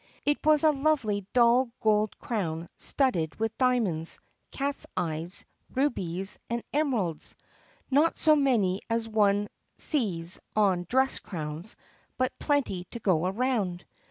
It was a lovely dull gold crown studded with diamonds, cats' eyes, rubies, and emeralds — not so many as one sees on dress crowns but plenty to go around.